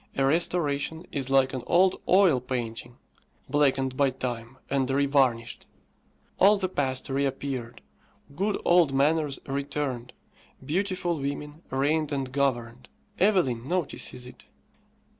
A restoration is like an old oil painting, blackened by time, and revarnished. All the past reappeared, good old manners returned, beautiful women reigned and governed. Evelyn notices it.